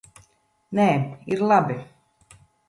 Nē, ir labi.